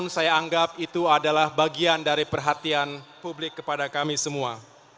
saya anggap itu adalah bagian dari perhatian publik kepada kami semua